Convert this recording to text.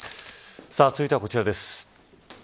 続いてはこちらです。